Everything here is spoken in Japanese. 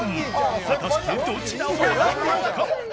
果たしてどちらを選ぶのか。